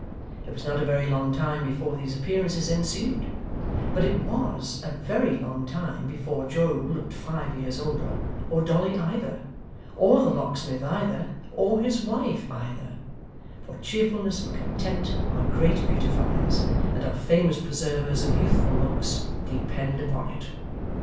It was not a very long time before these appearances ensued; but it WAS a VERY long time before Joe looked five years older, or Dolly either, or the locksmith either, or his wife either: for cheerfulness and content are great beautifiers, and are famous preservers of youthful looks, depend upon it.